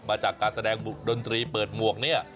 มาจากการแสดงดนตรีเปิดหมวกเนี่ย